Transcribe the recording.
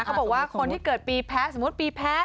เขาบอกว่าคนที่เกิดปีแพ้สมมุติปีแพ้